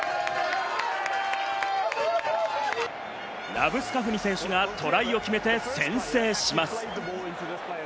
ラブスカフニ選手がトライを決めて先制します。